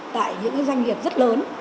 tại những doanh nghiệp rất lớn